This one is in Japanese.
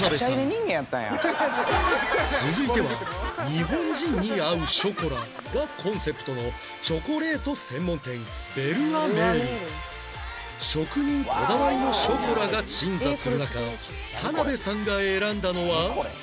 続いては日本人に合うショコラがコンセプトの職人こだわりのショコラが鎮座する中田辺さんが選んだのは